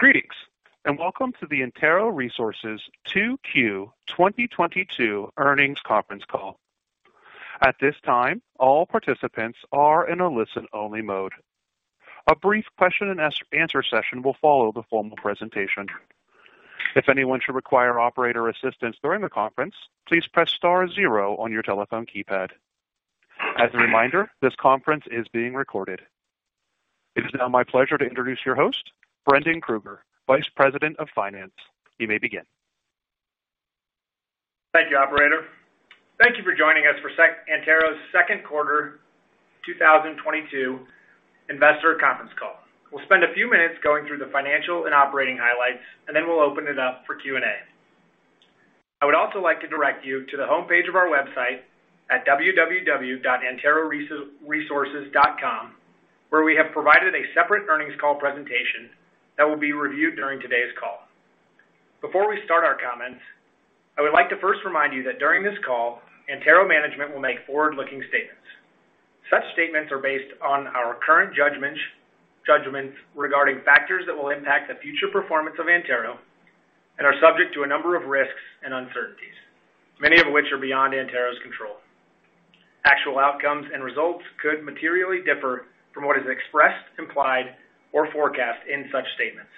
Greetings, and welcome to the Antero Resources 2Q 2022 earnings conference call. At this time, all participants are in a listen-only mode. A brief question-and-answer session will follow the formal presentation. If anyone should require operator assistance during the conference, please press star zero on your telephone keypad. As a reminder, this conference is being recorded. It is now my pleasure to introduce your host, Brendan Krueger, Vice President of Finance. You may begin. Thank you, operator. Thank you for joining us for Antero's second quarter 2022 investor conference call. We'll spend a few minutes going through the financial and operating highlights, and then we'll open it up for Q&A. I would also like to direct you to the homepage of our website at www.anteroresources.com, where we have provided a separate earnings call presentation that will be reviewed during today's call. Before we start our comments, I would like to first remind you that during this call, Antero management will make forward-looking statements. Such statements are based on our current judgments regarding factors that will impact the future performance of Antero and are subject to a number of risks and uncertainties, many of which are beyond Antero's control. Actual outcomes and results could materially differ from what is expressed, implied, or forecast in such statements.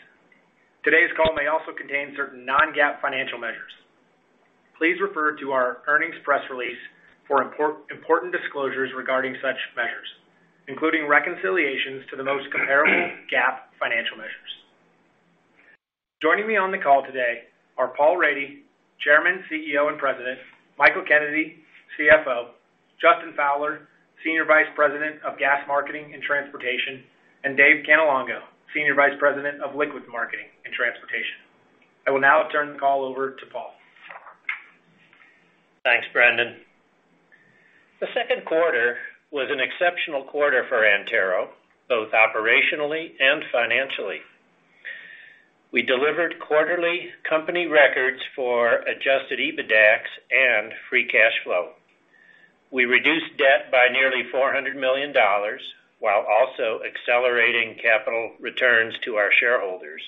Today's call may also contain certain non-GAAP financial measures. Please refer to our earnings press release for important disclosures regarding such measures, including reconciliations to the most comparable GAAP financial measures. Joining me on the call today are Paul Rady, Chairman, CEO, and President, Michael Kennedy, CFO, Justin Fowler, Senior Vice President of Gas Marketing & Transportation, and Dave Cannelongo, Senior Vice President of Liquids Marketing & Transportation. I will now turn the call over to Paul. Thanks, Brendan. The second quarter was an exceptional quarter for Antero, both operationally and financially. We delivered quarterly company records for adjusted EBITDAX and free cash flow. We reduced debt by nearly $400 million while also accelerating capital returns to our shareholders.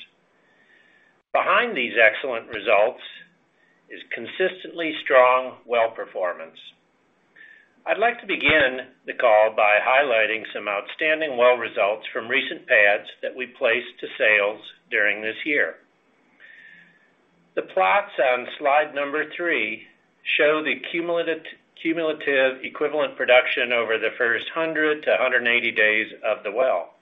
Behind these excellent results is consistently strong well performance. I'd like to begin the call by highlighting some outstanding well results from recent pads that we placed to sales during this year. The plots on slide number three show the cumulative equivalent production over the first 100 to 180 days of the well.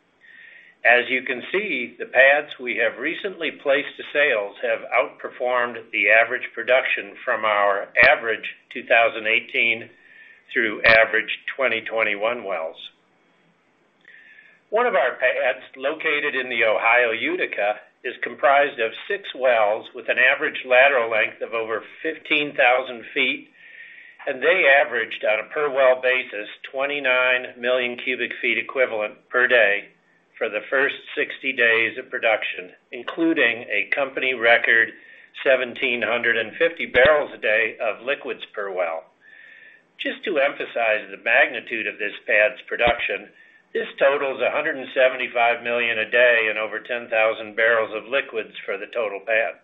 As you can see, the pads we have recently placed to sales have outperformed the average production from our average 2018 through average 2021 wells. One of our pads located in the Ohio Utica is comprised of six wells with an average lateral length of over 15,000 feet, and they averaged on a per well basis 29 million cubic feet equivalent per day for the first 60 days of production, including a company record 1,750 barrels a day of liquids per well. Just to emphasize the magnitude of this pad's production, this totals 175 million a day in over 10,000 barrels of liquids for the total pad.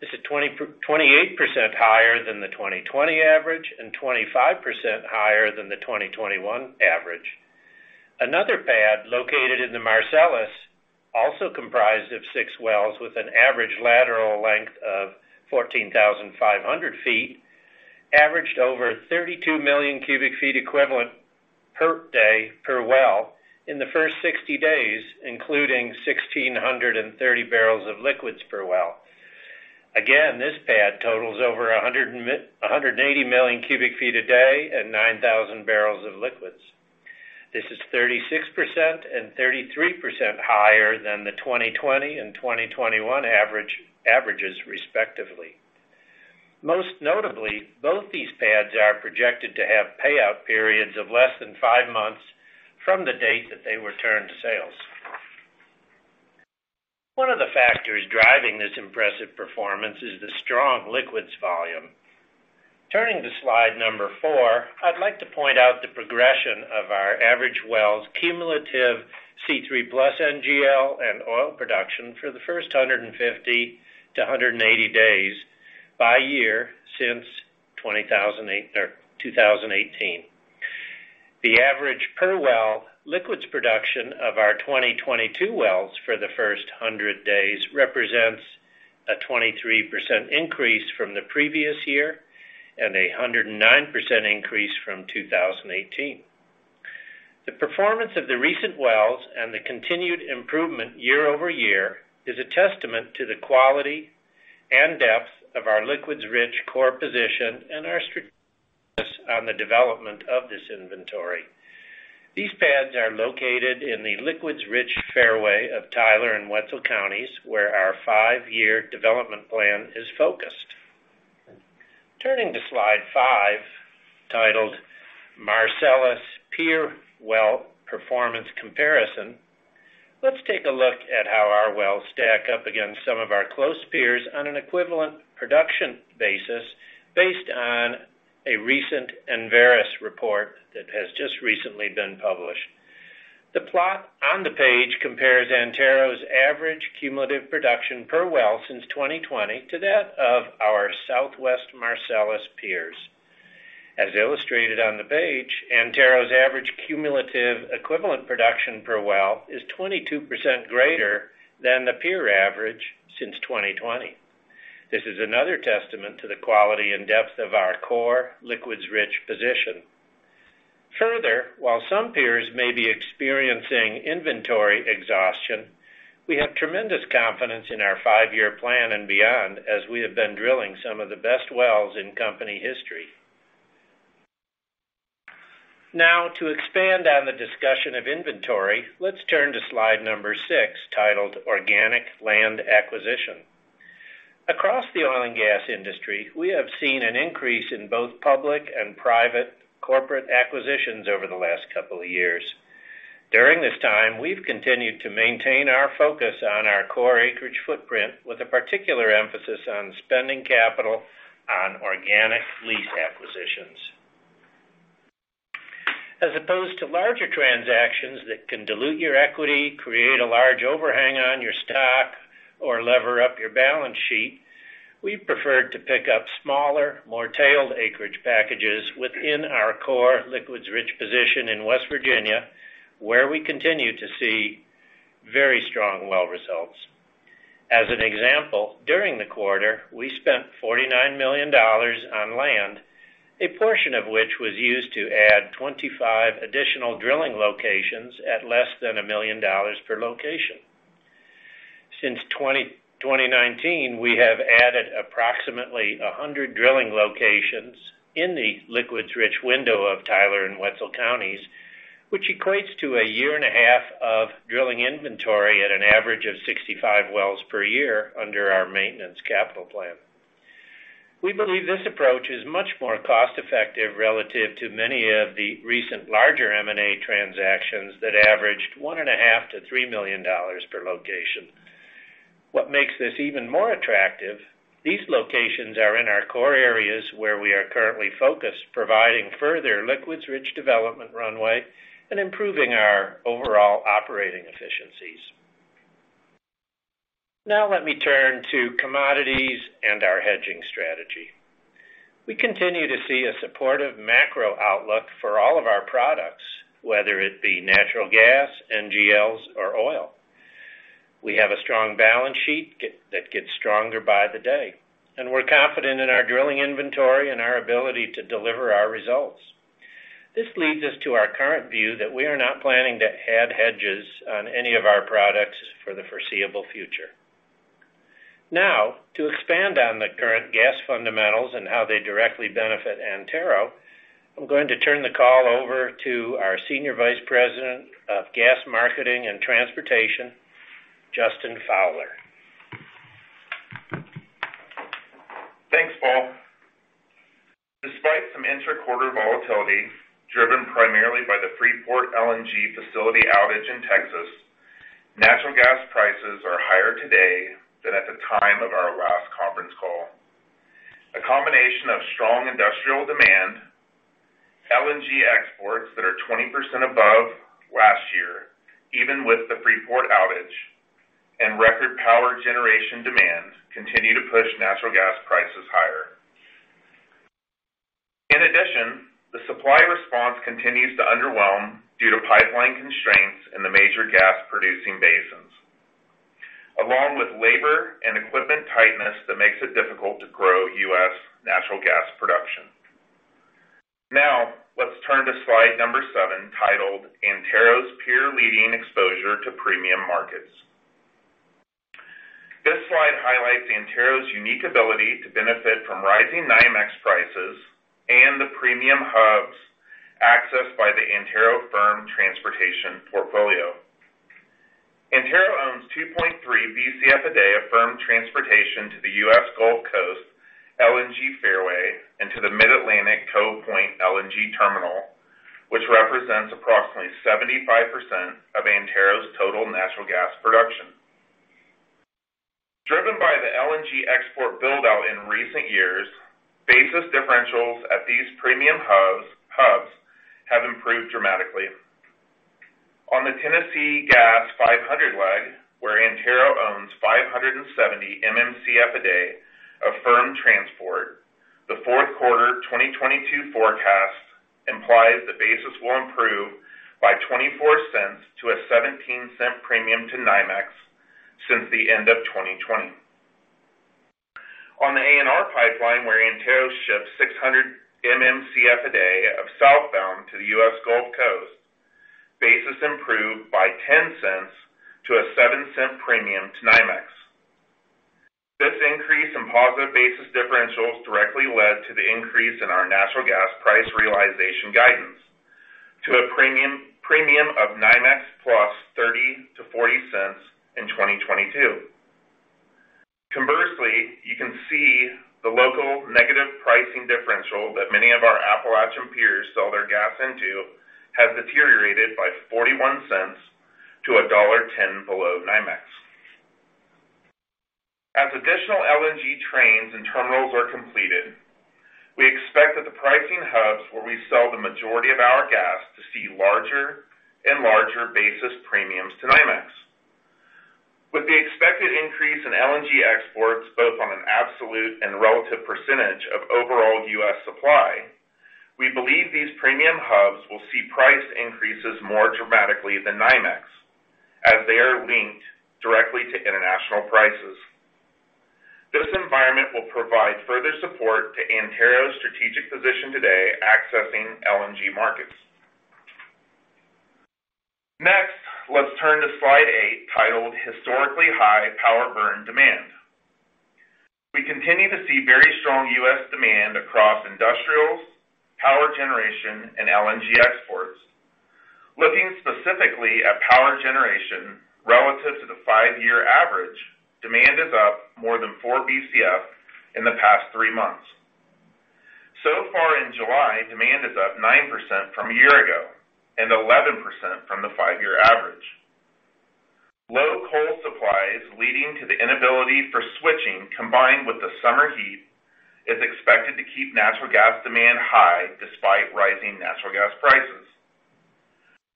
This is 28% higher than the 2020 average and 25% higher than the 2021 average. Another pad located in the Marcellus, also comprised of six wells with an average lateral length of 14,500 feet, averaged over 32 million cubic feet equivalent per day per well in the first 60 days, including 1,630 barrels of liquids per well. Again, this pad totals over a hundred and eighty million cubic feet a day and 9,000 barrels of liquids. This is 36% and 33% higher than the 2020 and 2021 average, respectively. Most notably, both these pads are projected to have payout periods of less than five months from the date that they were turned to sales. One of the factors driving this impressive performance is the strong liquids volume. Turning to slide four, I'd like to point out the progression of our average wells cumulative C3+ NGL and oil production for the first 150 to 180 days by year since 2018. The average per well liquids production of our 2022 wells for the first 100 days represents a 23% increase from the previous year and a 109% increase from 2018. The performance of the recent wells and the continued improvement year over year is a testament to the quality and depth of our liquids-rich core position and our strategy on the development of this inventory. These pads are located in the liquids-rich fairway of Tyler and Wetzel Counties, where our five-year development plan is focused. Turning to slide five, titled Marcellus Peer Well Performance Comparison, let's take a look at how our wells stack up against some of our close peers on an equivalent production basis based on a recent Enverus report that has just recently been published. The plot on the page compares Antero's average cumulative production per well since 2020 to that of our Southwest Marcellus peers. As illustrated on the page, Antero's average cumulative equivalent production per well is 22% greater than the peer average since 2020. This is another testament to the quality and depth of our core liquids-rich position. Further, while some peers may be experiencing inventory exhaustion, we have tremendous confidence in our five-year plan and beyond as we have been drilling some of the best wells in company history. Now, to expand on the discussion of inventory, let's turn to slide number six, titled Organic Land Acquisition. Across the oil and gas industry, we have seen an increase in both public and private corporate acquisitions over the last couple of years. During this time, we've continued to maintain our focus on our core acreage footprint, with a particular emphasis on spending capital on organic lease acquisitions. As opposed to larger transactions that can dilute your equity, create a large overhang on your stock, or lever up your balance sheet, we preferred to pick up smaller, more tailored acreage packages within our core liquids-rich position in West Virginia, where we continue to see very strong well results. As an example, during the quarter, we spent $49 million on land, a portion of which was used to add 25 additional drilling locations at less than $1 million per location. Since 2020, we have added approximately 100 drilling locations in the liquids-rich window of Tyler and Wetzel Counties, which equates to a year and a half of drilling inventory at an average of 65 wells per year under our maintenance capital plan. We believe this approach is much more cost-effective relative to many of the recent larger M&A transactions that averaged $1.5-$3 million per location. What makes this even more attractive, these locations are in our core areas where we are currently focused, providing further liquids-rich development runway and improving our overall operating efficiencies. Now let me turn to commodities and our hedging strategy. We continue to see a supportive macro outlook for all of our products, whether it be natural gas, NGLs, or oil. We have a strong balance sheet that gets stronger by the day, and we're confident in our drilling inventory and our ability to deliver our results. This leads us to our current view that we are not planning to add hedges on any of our products for the foreseeable future. Now, to expand on the current gas fundamentals and how they directly benefit Antero, I'm going to turn the call over to our Senior Vice President of Gas Marketing and Transportation, Justin Fowler. Thanks, Paul. Despite some inter-quarter volatility driven primarily by the Freeport LNG facility outage in Texas, natural gas prices are higher today than at the time of our last conference call. A combination of strong industrial demand, LNG exports that are 20% above last year, even with the Freeport outage, and record power generation demand continue to push natural gas prices higher. In addition, the supply response continues to underwhelm due to pipeline constraints in the major gas-producing basins, along with labor and equipment tightness that makes it difficult to grow U.S. natural gas production. Now, let's turn to slide number seven, titled Antero's Peer Leading Exposure to Premium Markets. This slide highlights Antero's unique ability to benefit from rising NYMEX prices and the premium hubs accessed by the Antero firm transportation portfolio. Antero owns 2.3 Bcf a day of firm transportation to the U.S. Gulf Coast LNG fairway into the Mid-Atlantic Cove Point LNG terminal, which represents approximately 75% of Antero's total natural gas production. Driven by the LNG export build-out in recent years, basis differentials at these premium hubs have improved dramatically. On the Tennessee Gas 500L, where Antero owns 570 MMcf a day of firm transport, the fourth quarter 2022 forecast implies the basis will improve by $0.24 to a $0.17 premium to NYMEX since the end of 2020. On the ANR Pipeline, where Antero ships 600 MMcf a day of southbound to the U.S. Gulf Coast, basis improved by $0.10 to a $0.07 premium to NYMEX. This increase in positive basis differentials directly led to the increase in our natural gas price realization guidance to a premium of NYMEX +30-40 cents in 2022. Conversely, you can see the local negative pricing differential that many of our Appalachian peers sell their gas into has deteriorated by 41 cents to $1.10 below NYMEX. As additional LNG trains and terminals are completed, we expect that the pricing hubs where we sell the majority of our gas to see larger and larger basis premiums to NYMEX. With the expected increase in LNG exports, both on an absolute and relative percentage of overall U.S. supply, we believe these premium hubs will see price increases more dramatically than NYMEX as they are linked directly to international prices. This environment will provide further support to Antero's strategic position today accessing LNG markets. Next, let's turn to slide eight, titled Historically High Power Burn Demand. We continue to see very strong U.S. demand across industrials, power generation, and LNG exports. Looking specifically at power generation relative to the five-year average, demand is up more than 4 Bcf in the past three months. So far in July, demand is up 9% from a year ago and 11% from the five-year average. Low coal supplies leading to the inability for switching, combined with the summer heat, is expected to keep natural gas demand high despite rising natural gas prices.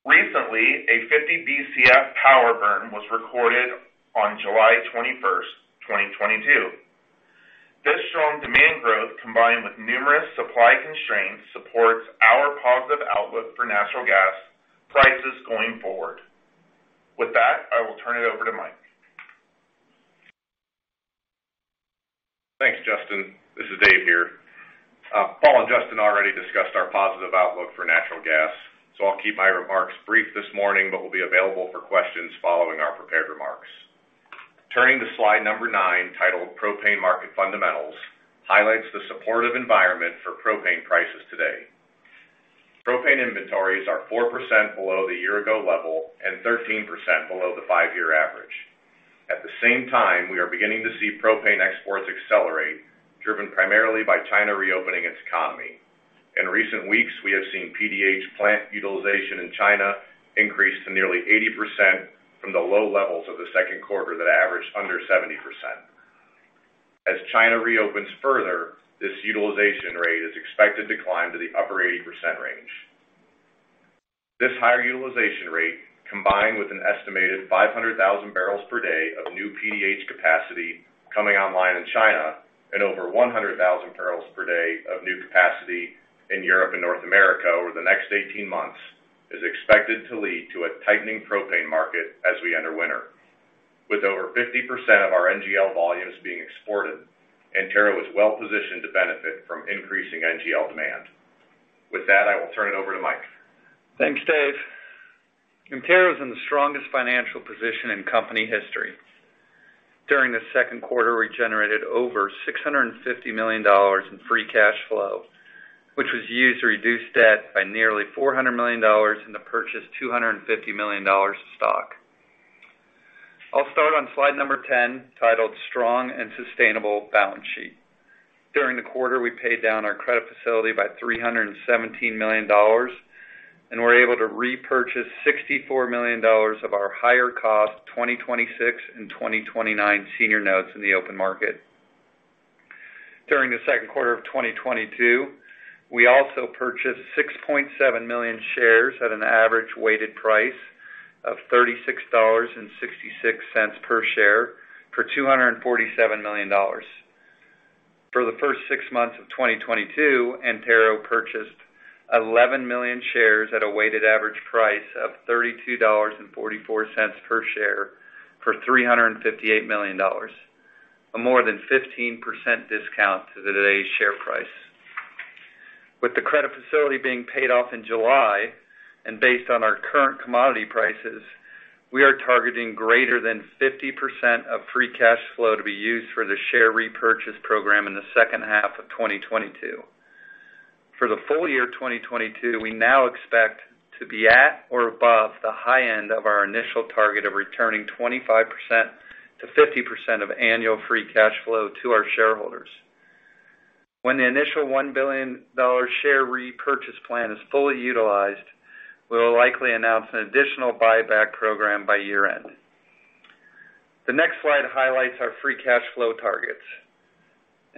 Recently, a 50 Bcf power burn was recorded on July 21st, 2022. This strong demand growth, combined with numerous supply constraints, supports our positive outlook for natural gas prices going forward. With that, I will turn it over to Mike. Thanks, Justin. This is Dave here. Paul and Justin already discussed our positive outlook for natural gas, so I'll keep my remarks brief this morning, but we'll be available for questions following our prepared remarks. Turning to slide number nine, titled Propane Market Fundamentals, highlights the supportive environment for propane prices today. Propane inventories are 4% below the year ago level and 13% below the five-year average. At the same time, we are beginning to see propane exports accelerate, driven primarily by China reopening its economy. In recent weeks, we have seen PDH plant utilization in China increase to nearly 80% from the low levels of the second quarter that averaged under 70%. As China reopens further, this utilization rate is expected to climb to the upper 80% range. This higher utilization rate, combined with an estimated 500,000 barrels per day of new PDH capacity coming online in China and over 100,000 barrels per day of new capacity in Europe and North America over the next 18 months, is expected to lead to a tightening propane market as we enter winter. With over 50% of our NGL volumes being exported, Antero is well positioned to benefit from increasing NGL demand. With that, I will turn it over to Mike. Thanks, Dave. Antero is in the strongest financial position in company history. During the second quarter, we generated over $650 million in free cash flow, which was used to reduce debt by nearly $400 million and to purchase $250 million in stock. I'll start on slide number 10, titled Strong and Sustainable Balance Sheet. During the quarter, we paid down our credit facility by $317 million, and we're able to repurchase $64 million of our higher cost 2026 and 2029 senior notes in the open market. During the second quarter of 2022, we also purchased 6.7 million shares at an average weighted price of $36.66 per share for $247 million. For the first six months of 2022, Antero purchased 11 million shares at a weighted average price of $32.44 per share for $358 million, a more than 15% discount to today's share price. With the credit facility being paid off in July, and based on our current commodity prices, we are targeting greater than 50% of free cash flow to be used for the share repurchase program in the second half of 2022. For the full year 2022, we now expect to be at or above the high end of our initial target of returning 25%-50% of annual free cash flow to our shareholders. When the initial $1 billion share repurchase plan is fully utilized, we will likely announce an additional buyback program by year-end. The next slide highlights our free cash flow targets.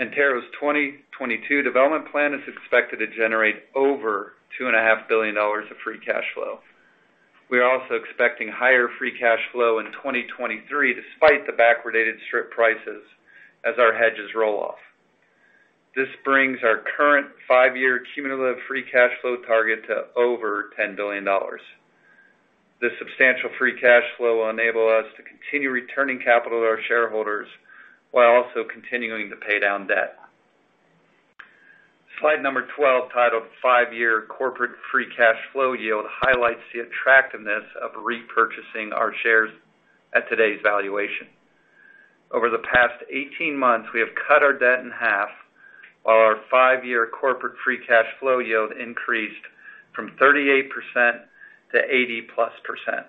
Antero's 2022 development plan is expected to generate over $2.5 billion of free cash flow. We are also expecting higher free cash flow in 2023 despite the backwardated strip prices as our hedges roll off. This brings our current five-year cumulative free cash flow target to over $10 billion. This substantial free cash flow will enable us to continue returning capital to our shareholders while also continuing to pay down debt. Slide number 12, titled five-Year Corporate Free Cash Flow Yield, highlights the attractiveness of repurchasing our shares at today's valuation. Over the past 18 months, we have cut our debt in half while our five-year corporate free cash flow yield increased from 38% to 80+%.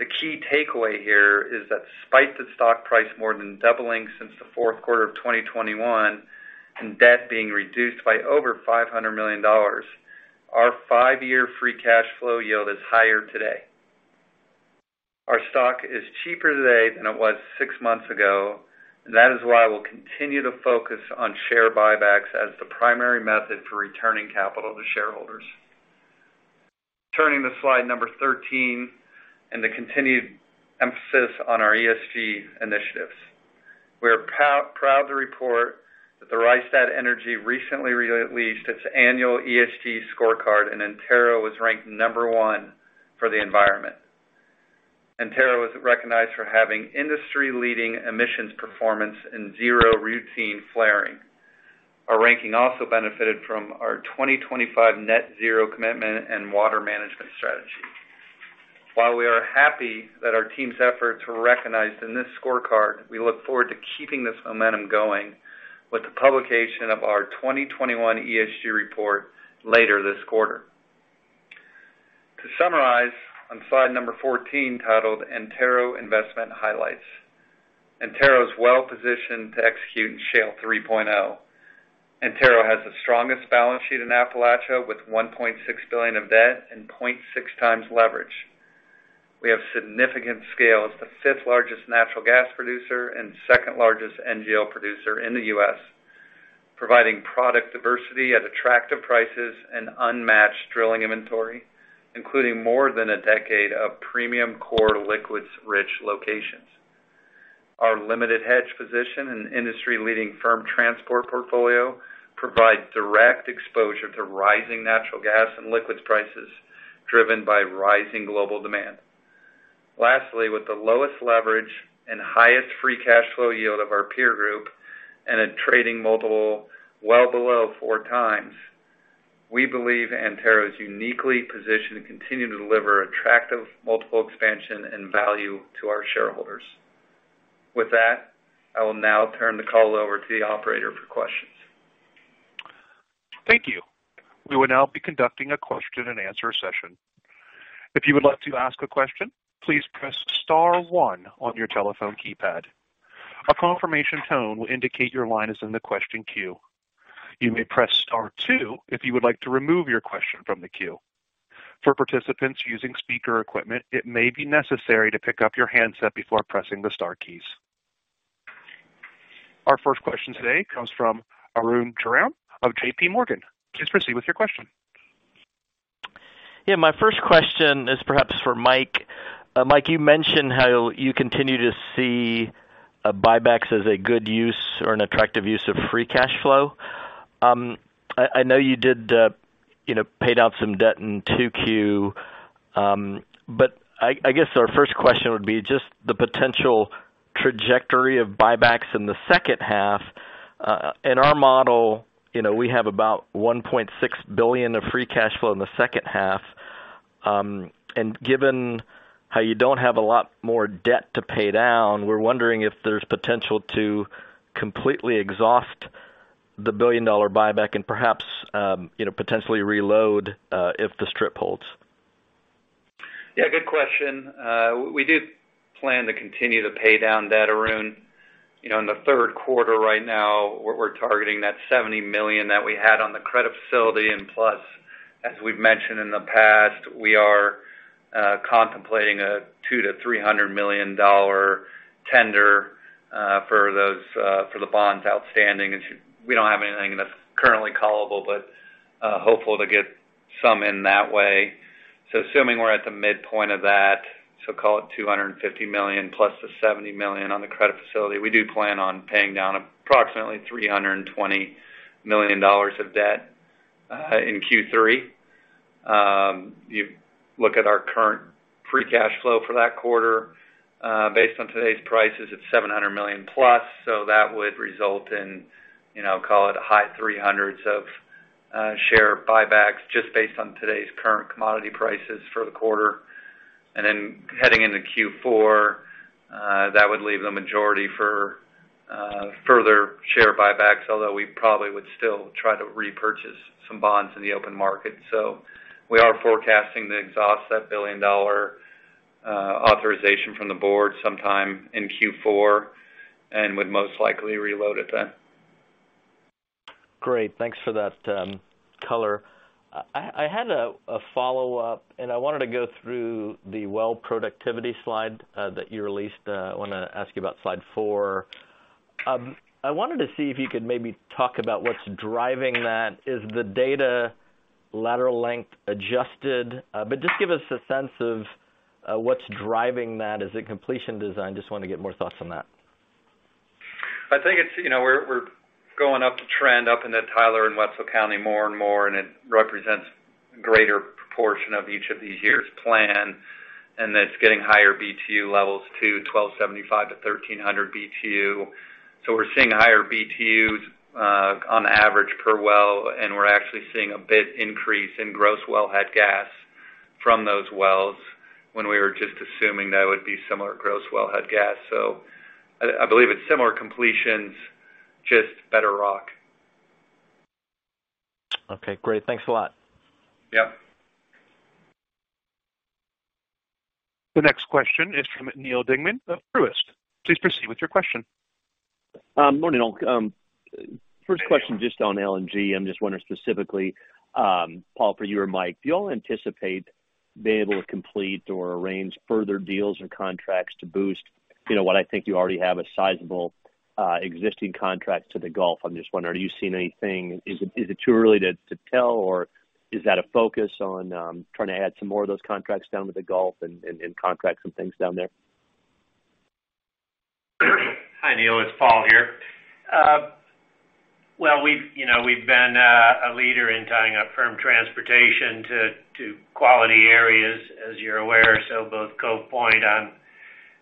The key takeaway here is that despite the stock price more than doubling since the fourth quarter of 2021 and debt being reduced by over $500 million. Our five-year free cash flow yield is higher today. Our stock is cheaper today than it was six months ago, and that is why we'll continue to focus on share buybacks as the primary method for returning capital to shareholders. Turning to slide number 13 and the continued emphasis on our ESG initiatives. We are proud to report that Rystad Energy recently re-released its annual ESG scorecard, and Antero was ranked number one for the environment. Antero was recognized for having industry-leading emissions performance and zero routine flaring. Our ranking also benefited from our 2025 net zero commitment and water management strategy. While we are happy that our team's efforts were recognized in this scorecard, we look forward to keeping this momentum going with the publication of our 2021 ESG report later this quarter. To summarize, on slide number 14, titled Antero Investment Highlights. Antero is well-positioned to execute in Shale 3.0. Antero has the strongest balance sheet in Appalachia, with $1.6 billion of debt and 0.6x leverage. We have significant scale as the fifth-largest natural gas producer and second-largest NGL producer in the U.S., providing product diversity at attractive prices and unmatched drilling inventory, including more than a decade of premium core liquids-rich locations. Our limited hedge position and industry-leading firm transport portfolio provide direct exposure to rising natural gas and liquids prices, driven by rising global demand. Lastly, with the lowest leverage and highest free cash flow yield of our peer group and a trading multiple well below 4x, we believe Antero is uniquely positioned to continue to deliver attractive multiple expansion and value to our shareholders. With that, I will now turn the call over to the operator for questions. Thank you. We will now be conducting a question-and-answer session. If you would like to ask a question, please press star one on your telephone keypad. A confirmation tone will indicate your line is in the question queue. You may press star two if you would like to remove your question from the queue. For participants using speaker equipment, it may be necessary to pick up your handset before pressing the star keys. Our first question today comes from Arun Jayaram of JPMorgan. Please proceed with your question. Yeah, my first question is perhaps for Mike. Mike, you mentioned how you continue to see buybacks as a good use or an attractive use of free cash flow. I know you did, you know, paid down some debt in 2Q, but I guess our first question would be just the potential trajectory of buybacks in the second half. In our model, you know, we have about $1.6 billion of free cash flow in the second half. And given how you don't have a lot more debt to pay down, we're wondering if there's potential to completely exhaust the billion-dollar buyback and perhaps, you know, potentially reload, if the strip holds. Yeah, good question. We do plan to continue to pay down debt, Arun. You know, in the third quarter right now, we're targeting that $70 million that we had on the credit facility. Plus, as we've mentioned in the past, we are contemplating a $200-$300 million tender for the bonds outstanding. We don't have anything that's currently callable, but hopeful to get some in that way. Assuming we're at the midpoint of that, so call it $250 million plus the $70 million on the credit facility, we do plan on paying down approximately $320 million of debt in Q3. You look at our current free cash flow for that quarter based on today's prices, it's $700+ million. That would result in, you know, call it a high 300s of share buybacks just based on today's current commodity prices for the quarter. Heading into Q4, that would leave the majority for further share buybacks, although we probably would still try to repurchase some bonds in the open market. We are forecasting to exhaust that $1 billion authorization from the board sometime in Q4 and would most likely reload it then. Great. Thanks for that, color. I had a follow-up, and I wanted to go through the well productivity slide that you released. I wanna ask you about slide four. I wanted to see if you could maybe talk about what's driving that. Is the data lateral length adjusted? But just give us a sense of what's driving that. Is it completion design? Just wanna get more thoughts on that. I think it's, you know, we're going up the trend up into Tyler and Wetzel County more and more, and it represents a greater proportion of each of these years' plan, and it's getting higher BTU levels to 1,275-1,300 BTU. We're seeing higher BTUs on average per well, and we're actually seeing a big increase in gross wellhead gas from those wells when we were just assuming that would be similar gross wellhead gas. I believe it's similar completions, just better rock. Okay, great. Thanks a lot. Yeah. The next question is from Neal Dingmann of Truist. Please proceed with your question. Good morning, all. First question just on LNG. I'm just wondering specifically, Paul, for you or Mike, do y'all anticipate being able to complete or arrange further deals or contracts to boost, you know, what I think you already have a sizable existing contract to the Gulf. I'm just wondering, are you seeing anything? Is it too early to tell, or is that a focus on trying to add some more of those contracts down with the Gulf and contract some things down there? Hi, Neal. It's Paul here. Well, you know, we've been a leader in tying up firm transportation to quality areas, as you're aware, so both Cove Point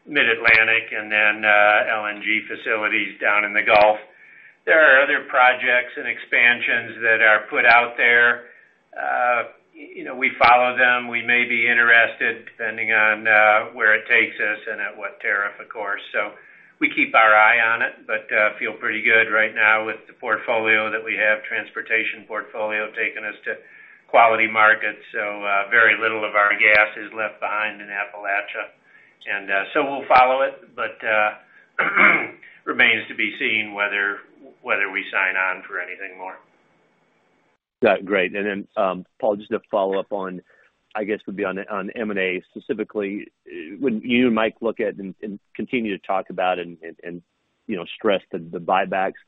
on Mid-Atlantic and then LNG facilities down in the Gulf. There are other projects and expansions that are put out there. You know, we follow them. We may be interested depending on where it takes us and at what tariff, of course. So we keep our eye on it, but feel pretty good right now with the portfolio that we have, transportation portfolio taking us to quality markets. So very little of our gas is left behind in Appalachia. So we'll follow it, but remains to be seen whether we sign on for anything more. Yeah. Great. Then, Paul, just to follow up, I guess, on M&A specifically. When you and Mike look at and continue to talk about, you know, stress the buybacks,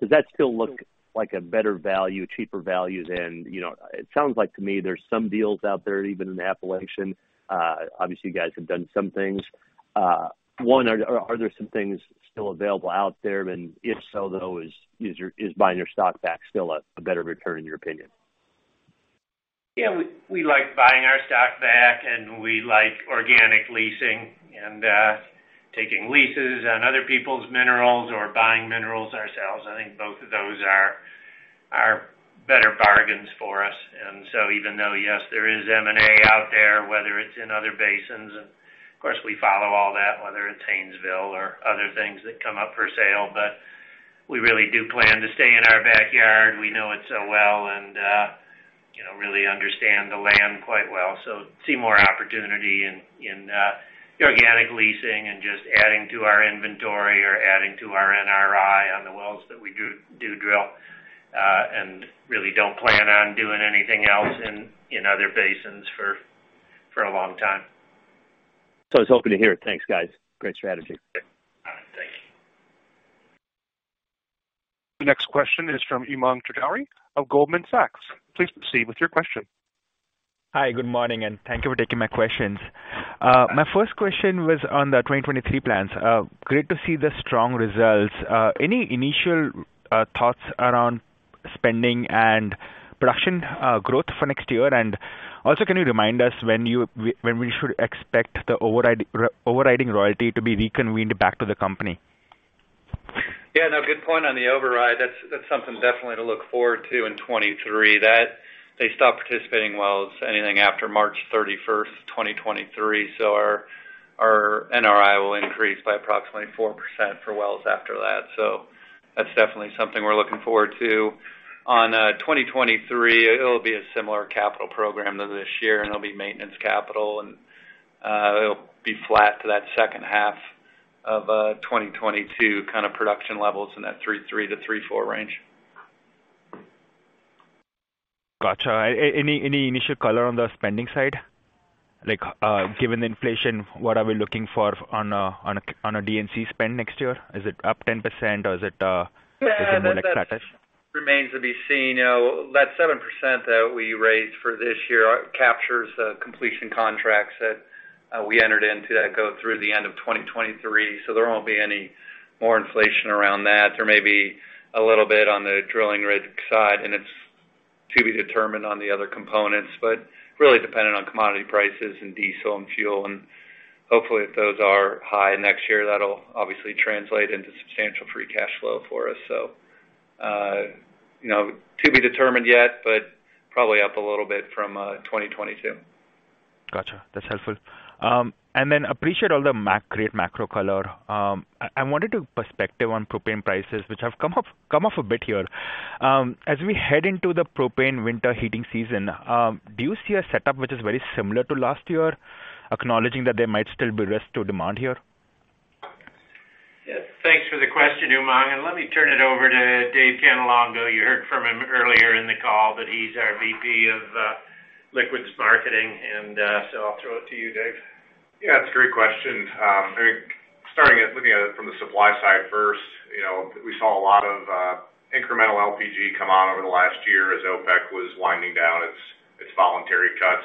does that still look like a better value, cheaper value than. You know, it sounds like to me there's some deals out there even in Appalachian. Obviously, you guys have done some things. One, are there some things still available out there? If so, though, is buying your stock back still a better return in your opinion? Yeah. We like buying our stock back, and we like organic leasing and taking leases on other people's minerals or buying minerals ourselves. I think both of those are better bargains for us. Even though, yes, there is M&A out there, whether it's in other basins, and of course, we follow all that, whether it's Haynesville or other things that come up for sale. We really do plan to stay in our backyard. We know it so well and you know, really understand the land quite well. See more opportunity in organic leasing and just adding to our inventory or adding to our NRI on the wells that we do drill, and really don't plan on doing anything else in other basins for a long time. I was hoping to hear it. Thanks, guys. Great strategy. All right. Thank you. The next question is from Umang Choudhary of Goldman Sachs. Please proceed with your question. Hi. Good morning, and thank you for taking my questions. My first question was on the 2023 plans. Great to see the strong results. Any initial thoughts around spending and production growth for next year? Can you remind us when we should expect the overriding royalty to be reconvened back to the company? Yeah. No. Good point on the override. That's something definitely to look forward to in 2023. They stop participating wells anything after March 31st, 2023. Our NRI will increase by approximately 4% for wells after that. That's definitely something we're looking forward to. In 2023, it'll be a similar capital program to this year, and it'll be maintenance capital. It'll be flat to that second half of 2022 kind of production levels in that 3.3-3.4 range. Gotcha. Any initial color on the spending side? Like, given the inflation, what are we looking for on a D&C spend next year? Is it up 10% or is it similar status? Yeah. I think that remains to be seen. You know, that 7% that we raised for this year captures the completion contracts that we entered into that go through the end of 2023. There won't be any more inflation around that. There may be a little bit on the drilling rig side, and it's to be determined on the other components, but really dependent on commodity prices and diesel and fuel. Hopefully, if those are high next year, that'll obviously translate into substantial free cash flow for us. You know, to be determined yet, but probably up a little bit from 2022. Gotcha. That's helpful. Appreciate all the great macro color. I wanted your perspective on propane prices, which have come up a bit here. As we head into the propane winter heating season, do you see a setup which is very similar to last year, acknowledging that there might still be risk to demand here? Yes. Thanks for the question, Umang, and let me turn it over to Dave Cannelongo. You heard from him earlier in the call that he's our VP of Liquids Marketing. I'll throw it to you, Dave. Yeah, it's a great question. I think starting at looking at it from the supply side first, you know, we saw a lot of incremental LPG come on over the last year as OPEC was winding down its voluntary cuts.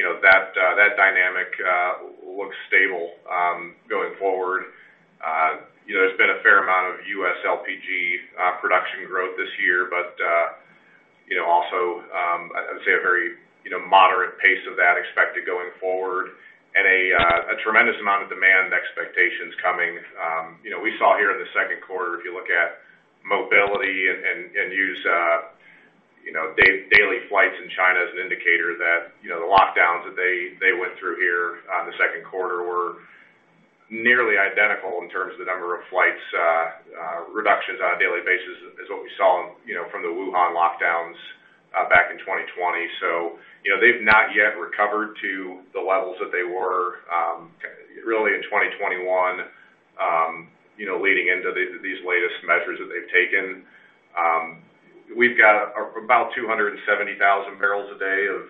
You know, that dynamic looks stable going forward. You know, there's been a fair amount of US LPG production growth this year. But you know, also, I would say a very moderate pace of that expected going forward and a tremendous amount of demand expectations coming. You know, we saw here in the second quarter, if you look at mobility and use daily flights in China as an indicator that, you know, the lockdowns that they went through here in the second quarter were nearly identical in terms of the number of flights, reductions on a daily basis as what we saw, you know, from the Wuhan lockdowns back in 2020. You know, they've not yet recovered to the levels that they were really in 2021, you know, leading into these latest measures that they've taken. We've got about 270,000 barrels a day of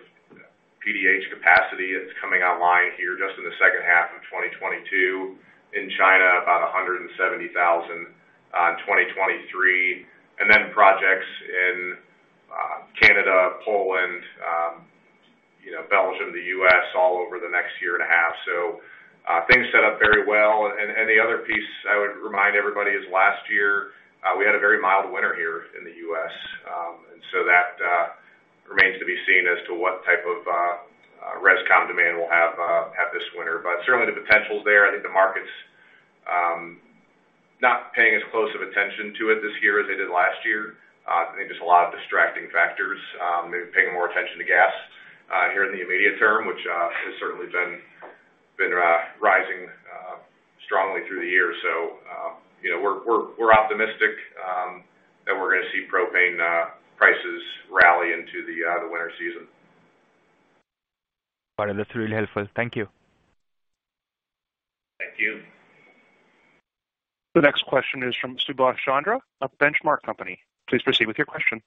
PDH capacity that's coming online here just in the second half of 2022. In China, about 170,000 on 2023. Projects in Canada, Poland, you know, Belgium, the US, all over the next year and a half. Things set up very well. The other piece I would remind everybody is last year we had a very mild winter here in the US. That remains to be seen as to what type of res comm demand we'll have this winter. Certainly the potential is there. I think the market's not paying as close attention to it this year as they did last year. I think there's a lot of distracting factors. They're paying more attention to gas here in the immediate term, which has certainly been rising strongly through the year. you know, we're optimistic that we're gonna see propane prices rally into the winter season. Got it. That's really helpful. Thank you. Thank you. The next question is from Subash Chandra of Benchmark Company. Please proceed with your question.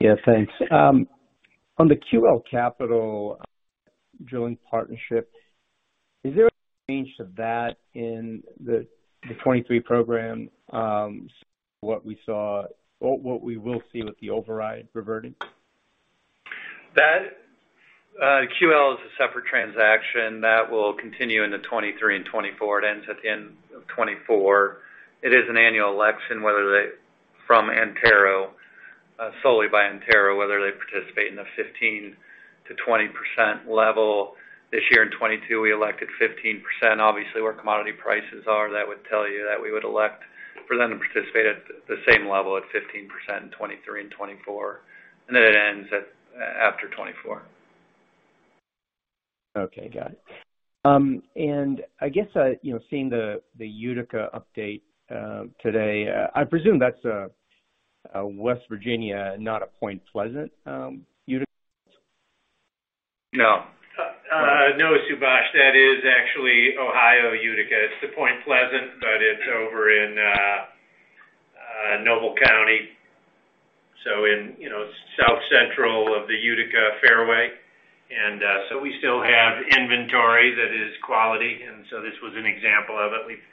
Yeah, thanks. On the QL Capital drilling partnership, is there a change to that in the 2023 program, what we saw or what we will see with the override reverting? That QL is a separate transaction that will continue into 2023 and 2024. It ends at the end of 2024. It is an annual election, solely by Antero, whether they participate in the 15%-20% level. This year in 2022, we elected 15%. Obviously, where commodity prices are, that would tell you that we would elect for them to participate at the same level at 15% in 2023 and 2024. It ends after 2024. Okay, got it. I guess, you know, seeing the Utica update today, I presume that's a West Virginia, not a Point Pleasant, Utica. No. No, Subash. That is actually Ohio Utica. It's the Point Pleasant, but it's over in Noble County, so in, you know, south central of the Utica fairway. We still have inventory that is quality, and so this was an example of it. We've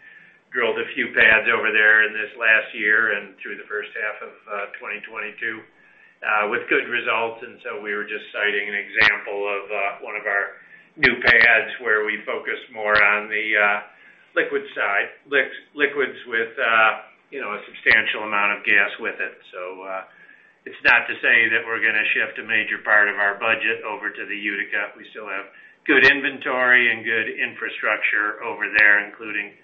drilled a few pads over there in this last year and through the first half of 2022 with good results. We were just citing an example of one of our new pads where we focus more on the liquid side. Liquids with, you know, a substantial amount of gas with it. It's not to say that we're gonna shift a major part of our budget over to the Utica. We still have good inventory and good infrastructure over there, including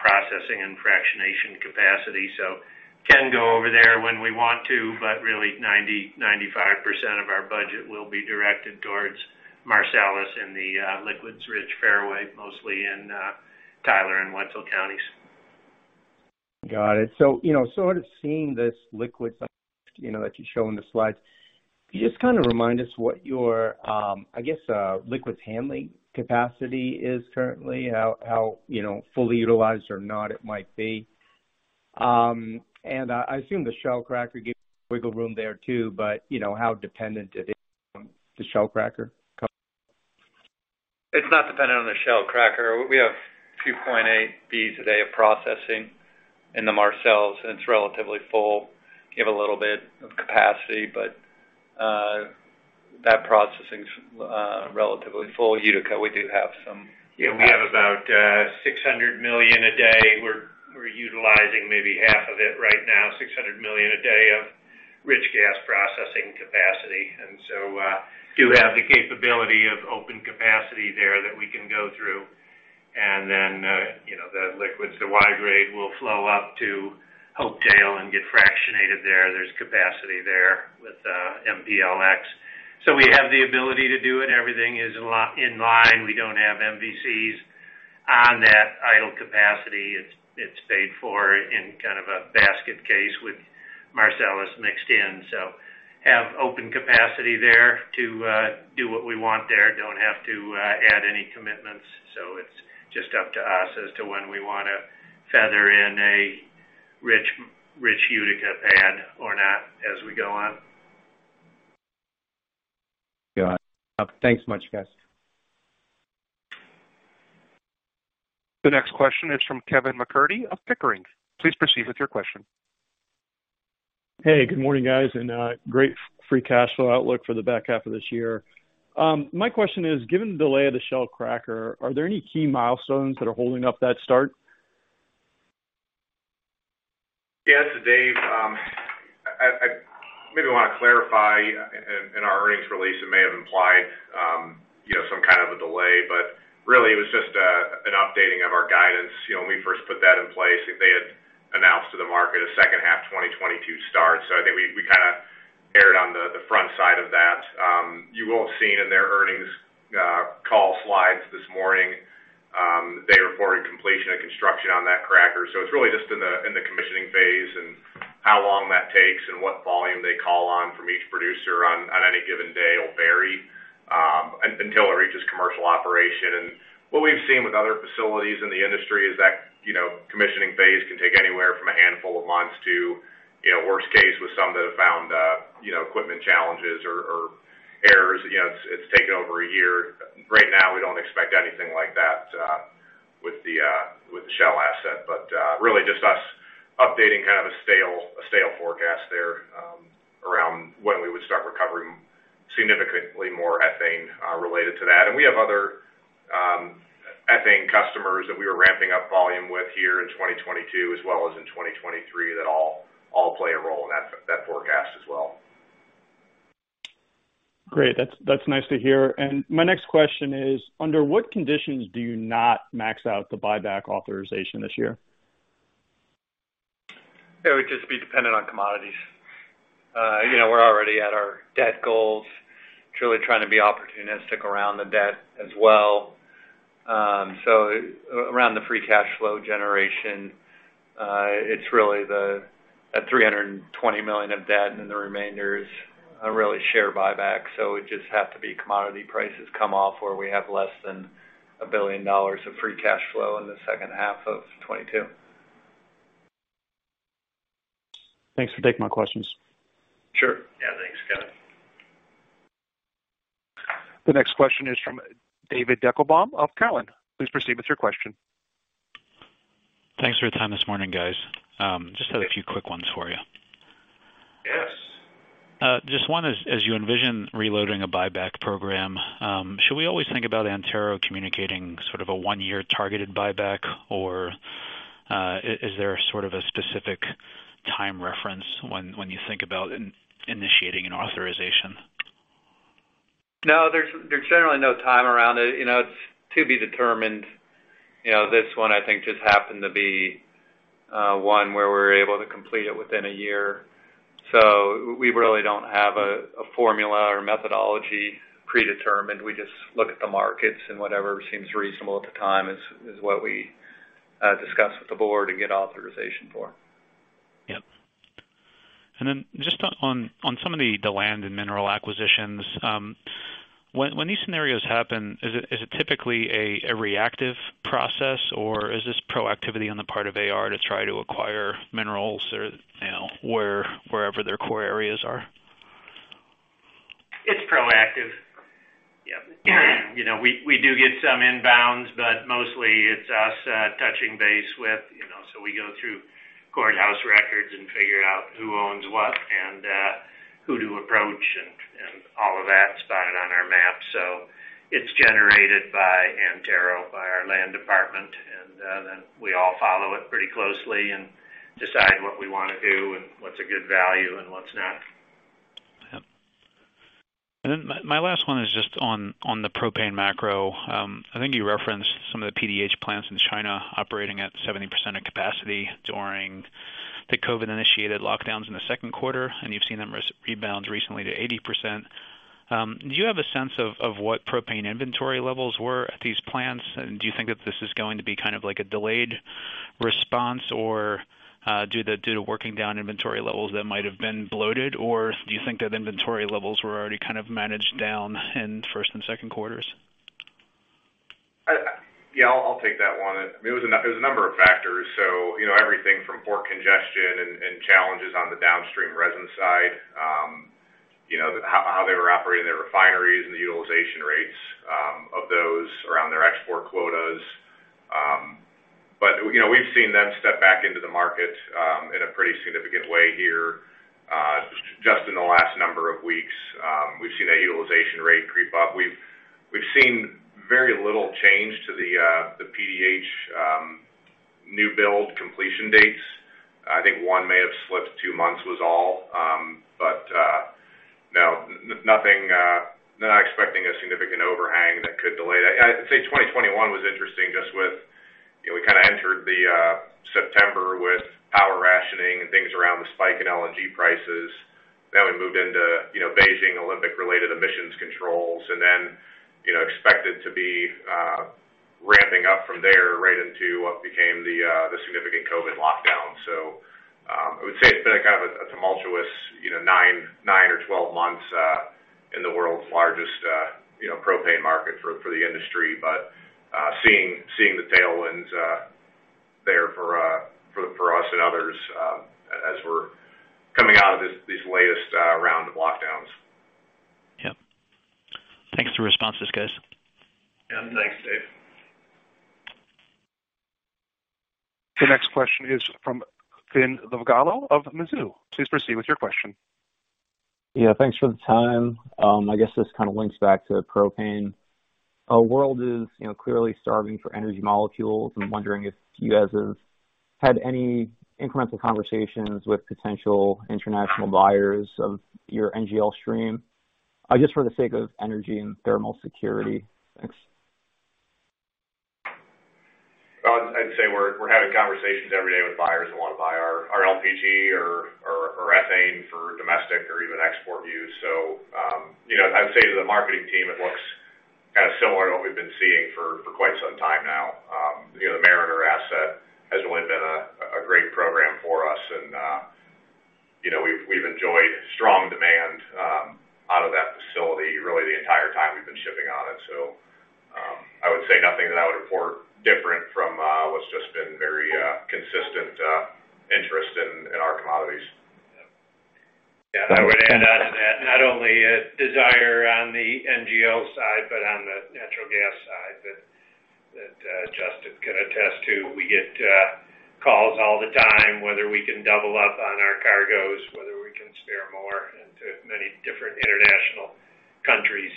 processing and fractionation capacity. can go over there when we want to, but really 90%-95% of our budget will be directed towards Marcellus and the liquids-rich fairway, mostly in Tyler and Wetzel counties. Got it. You know, sort of seeing this liquids, you know, that you show in the slides. Can you just kinda remind us what your, I guess, liquids handling capacity is currently? How, you know, fully utilized or not it might be. I assume the Shell Cracker gives you wiggle room there too, but, you know, how dependent it is on the Shell Cracker? It's not dependent on the Shell Cracker. We have 2.8 Bcf a day of processing in the Marcellus, and it's relatively full. We have a little bit of capacity, but that processing's relatively full. Utica, we do have some capacity. Yeah, we have about 600 million a day. We're utilizing maybe half of it right now. 600 million a day of rich gas processing capacity. We do have the capability of open capacity there that we can go through. You know, the liquids, the Y-grade will flow up to Hopedale and get fractionated there. There's capacity there with MPLX. We have the ability to do it. Everything is a lot in line. We don't have MVCs on that idle capacity. It's paid for in kind of a basket case with Marcellus mixed in. We have open capacity there to do what we want there. Don't have to add any commitments, so it's just up to us as to when we wanna feather in a rich Utica pad or not as we go on. Got it. Thanks so much, guys. The next question is from Kevin MacCurdy of Pickering. Please proceed with your question. Hey, good morning, guys, and great free cash flow outlook for the back half of this year. My question is, given the delay of the Shell Cracker, are there any key milestones that are holding up that start? Yes, Dave. I maybe wanna clarify in our earnings release, it may have implied you know some kind of a delay, but really it was just an updating of our guidance. You know, when we first put that in place, they had announced to the market a second half 2022 start. I think we kinda. You will have seen in their earnings call slides this morning, they reported completion of construction on that cracker. It's really just in the commissioning phase and how long that takes and what volume they call on from each producer on any given day will vary until it reaches commercial operation. What we've seen with other facilities in the industry is that, you know, commissioning phase can take anywhere from a handful of months to, you know, worst case with some that have found equipment challenges or errors. You know, it's taken over a year. Right now, we don't expect anything like that with the Shell asset. Really just us updating kind of a stale forecast there around when we would start recovering significantly more ethane related to that. We have other ethane customers that we were ramping up volume with here in 2022 as well as in 2023 that all play a role in that forecast as well. Great. That's nice to hear. My next question is, under what conditions do you not max out the buyback authorization this year? It would just be dependent on commodities. You know, we're already at our debt goals, truly trying to be opportunistic around the debt as well. Around the free cash flow generation, it's really at $320 million of debt, and then the remainder is a real share buyback. It would just have to be commodity prices come off, or we have less than $1 billion of free cash flow in the second half of 2022. Thanks for taking my questions. Sure. Yeah, thanks, Kevin. The next question is from David Deckelbaum of Cowen. Please proceed with your question. Thanks for your time this morning, guys. Just have a few quick ones for you. Yes. Just one is, as you envision reloading a buyback program, should we always think about Antero communicating sort of a one-year targeted buyback? Or, is there sort of a specific time reference when you think about initiating an authorization? No, there's generally no time around it. You know, it's to be determined. You know, this one I think just happened to be one where we're able to complete it within a year. We really don't have a formula or methodology predetermined. We just look at the markets and whatever seems reasonable at the time is what we discuss with the board and get authorization for. Yep. Then just on some of the land and mineral acquisitions. When these scenarios happen, is it typically a reactive process, or is this proactivity on the part of AR to try to acquire minerals or, you know, wherever their core areas are? It's proactive. Yeah. You know, we do get some inbounds, but mostly it's us touching base with, you know. We go through courthouse records and figure out who owns what and who to approach and all of that spotted on our map. It's generated by Antero, by our land department. We all follow it pretty closely and decide what we wanna do and what's a good value and what's not. Yep. Then my last one is just on the propane macro. I think you referenced some of the PDH plants in China operating at 70% of capacity during the COVID-initiated lockdowns in the second quarter, and you've seen them rebound recently to 80%. Do you have a sense of what propane inventory levels were at these plants? Do you think that this is going to be kind of like a delayed response or due to working down inventory levels that might have been bloated? Or do you think that inventory levels were already kind of managed down in first and second quarters? Yeah, I'll take that one. I mean, it was a number of factors. You know, everything from port congestion and challenges on the downstream resin side. You know, how they were operating their refineries and the utilization rates of those around their export quotas. You know, we've seen them step back into the market in a pretty significant way here. Just in the last number of weeks, we've seen a utilization rate creep up. We've seen very little change to the PDH new build completion dates. I think one may have slipped two months was all. Not expecting a significant overhang that could delay that. I'd say 2021 was interesting just with, you know, we kind of entered the September with power rationing and things around the spike in LNG prices. We moved into, you know, Beijing Olympic related emissions controls and then, you know, expected to be ramping up from there right into what became the significant COVID lockdown. I would say it's been a kind of a tumultuous, you know, nine or 12 months in the world's largest, you know, propane market for the industry. Seeing the tailwinds there for us and others as we're coming out of these latest round of lockdowns. Yep. Thanks for the responses, guys. Yeah, thanks, Dave. The next question is from. [inaudible] Please proceed with your question. Yeah, thanks for the time. I guess this kind of links back to propane. Our world is, you know, clearly starving for energy molecules. I'm wondering if you guys have had any incremental conversations with potential international buyers of your NGL stream, just for the sake of energy and thermal security? Thanks. conversations every day with buyers who wanna buy our LPG or ethane for domestic or even export use. I'd say to the marketing team, it looks kind of similar to what we've been seeing for quite some time now. The Mariner asset has really been a great program for us, and we've enjoyed strong demand out of that facility really the entire time we've been shipping on it. I would say nothing that I would report different from what's just been very consistent interest in our commodities. Yeah. I would add on to that, not only a desire on the NGL side, but on the natural gas side that Justin can attest to. We get calls all the time whether we can double up on our cargoes, whether we can spare more into many different international countries.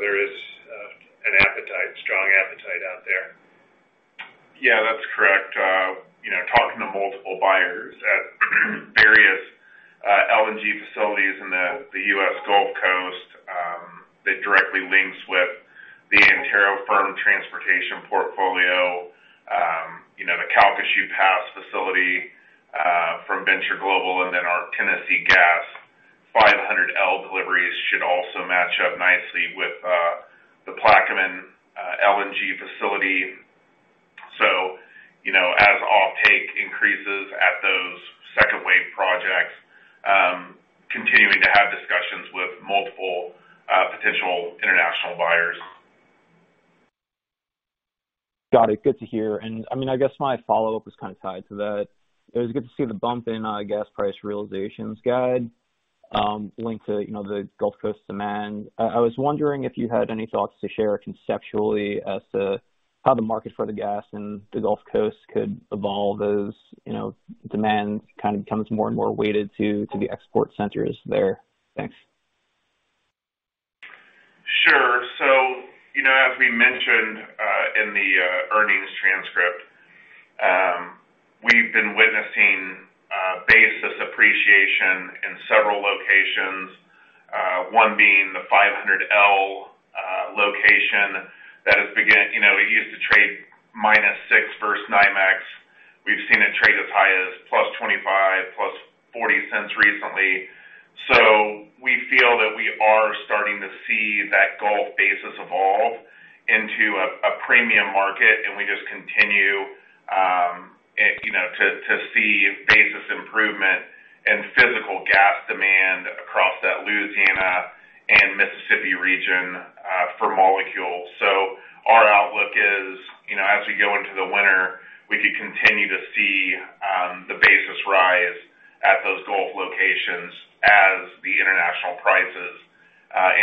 There is an appetite, strong appetite out there. Yeah, that's correct. You know, talking to multiple buyers at various LNG facilities in the U.S. Gulf Coast that directly links with the Antero firm transportation portfolio. You know, the Calcasieu Pass facility from Venture Global, and then our Tennessee Gas 500L deliveries should also match up nicely with the Plaquemines LNG facility. As offtake increases at those second wave projects, continuing to have discussions with multiple potential international buyers. Got it. Good to hear. I mean, I guess my follow-up is kind of tied to that. It was good to see the bump in gas price realizations guide linked to, you know, the Gulf Coast demand. I was wondering if you had any thoughts to share conceptually as to how the market for the gas in the Gulf Coast could evolve as, you know, demand kind of becomes more and more weighted to the export centers there. Thanks. Sure. You know, as we mentioned in the earnings transcript, we've been witnessing basis appreciation in several locations, one being the 500L location. You know, it used to trade -6 versus NYMEX. We've seen it trade as high as +25, +$0.40 recently. We feel that we are starting to see that Gulf basis evolve into a premium market, and we just continue and you know to see basis improvement and physical gas demand across that Louisiana and Mississippi region for molecules. Our outlook is, you know, as we go into the winter, we could continue to see the basis rise at those Gulf locations as the international prices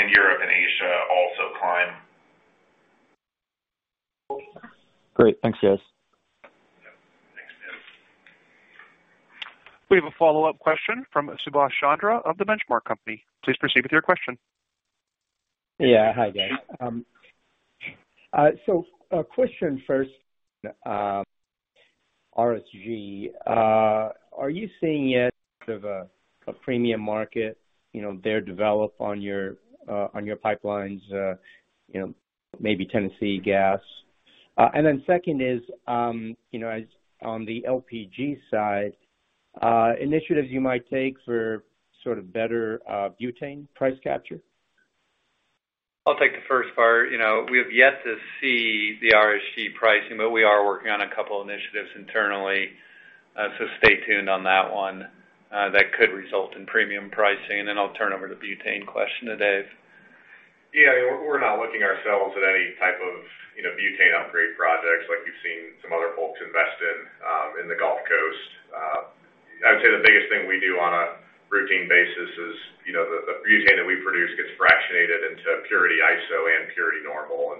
in Europe and Asia also climb. Great. Thanks, guys. Yep. Thanks, Neal Dingmann. We have a follow-up question from Subash Chandra of The Benchmark Company. Please proceed with your question. Yeah. Hi, Dave. A question first, RSG. Are you seeing it sort of a premium market, you know, develop there on your pipelines, you know, maybe Tennessee Gas? The second is, you know, on the LPG side, initiatives you might take for sort of better butane price capture? I'll take the first part. You know, we have yet to see the RSG pricing, but we are working on a couple initiatives internally. Stay tuned on that one. That could result in premium pricing. Then I'll turn over the butane question to Dave. Yeah. We're not looking ourselves at any type of, you know, butane upgrade projects like we've seen some other folks invest in the Gulf Coast. I would say the biggest thing we do on a routine basis is, you know, the butane that we produce gets fractionated into purity iso and purity normal.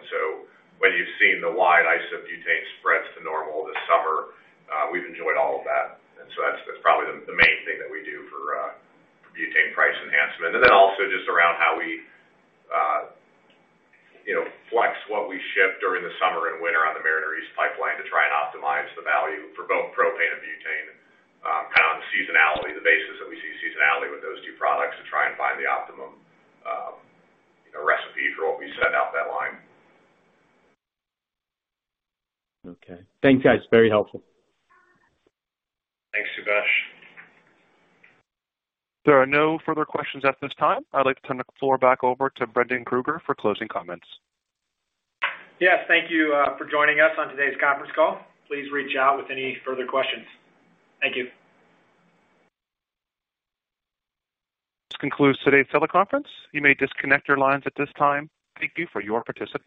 When you've seen the wide iso-butane spreads to normal this summer, we've enjoyed all of that. That's probably the main thing that we do for butane price enhancement. Also just around how we, you know, flex what we ship during the summer and winter on the Mariner East pipeline to try and optimize the value for both propane and butane, kind of the seasonality, the basis that we see seasonality with those two products to try and find the optimum, you know, recipe for what we send out that line. Okay. Thanks, guys. Very helpful. Thanks, Subash. There are no further questions at this time. I'd like to turn the floor back over to Brendan Krueger for closing comments. Yes. Thank you for joining us on today's conference call. Please reach out with any further questions. Thank you. This concludes today's teleconference. You may disconnect your lines at this time. Thank you for your participation.